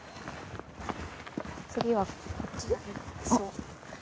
次はこっち？